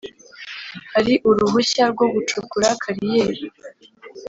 Hari uruhushya rwo gucukura kariyeri